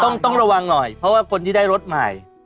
ต้องต้องระวังหน่อยเพราะว่าคนที่ได้รถใหม่